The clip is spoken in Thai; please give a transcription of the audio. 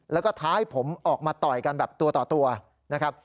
แล้วก็ท้าให้ผมออกมาตอยกันแบบตัวตัวนี่ครับ